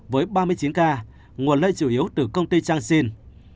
với ba mươi chín ca nguồn lây chủ yếu từ công ty trang sinh